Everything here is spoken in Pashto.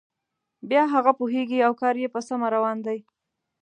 بیا هغه پوهیږي او کار یې په سمه روان دی.